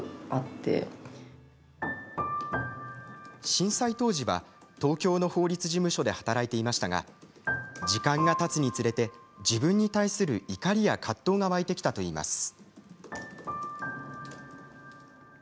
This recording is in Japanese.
震災当時は東京の法律事務所で働いていましたが時間がたつにつれて自分に対する怒りや葛藤が湧いてきたといいます。